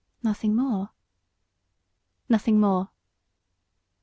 '" "Nothing more?" "Nothing more."